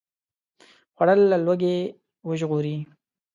خوړل له لوږې وژغوري